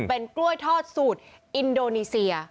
เป็นกล้วยทอดสูตรอินโดนีเซีย